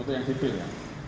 untuk yang sipil ya